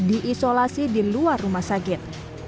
diisolasi di luar rumah sakit